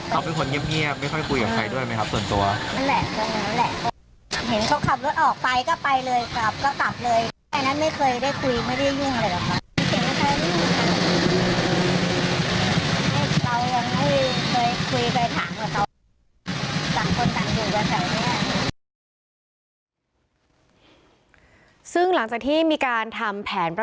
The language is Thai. เห็นเขาก็เฉยแล้วเราไม่เคยได้คุยอะไรกับเขา